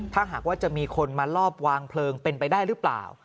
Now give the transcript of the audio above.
ถ้าหากว่าจะมีคนมาลอบวางเพลิงเป็นไปได้หรือเปล่า